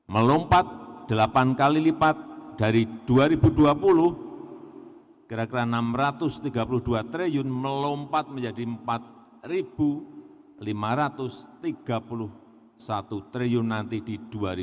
melompat delapan kali lipat dari dua ribu dua puluh kira kira rp enam ratus tiga puluh dua triliun melompat menjadi empat lima ratus tiga puluh satu triliun nanti di dua ribu dua puluh tiga